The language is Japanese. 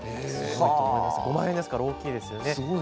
５万円ですから大きいですよね。